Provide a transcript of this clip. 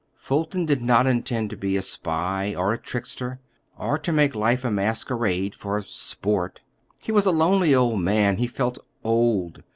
Fulton did not intend to be a spy, or a trickster, or to make life a masquerade for—sport. He was a lonely old man—he felt old.